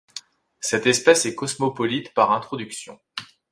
Cette espèce est cosmopolite par introduction.